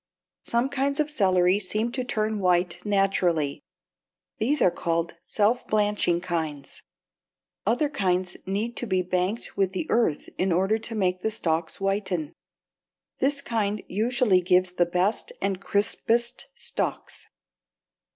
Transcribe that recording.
Some kinds of celery seem to turn white naturally. These are called self blanching kinds. Other kinds need to be banked with earth in order to make the stalks whiten. This kind usually gives the best and crispest stalks.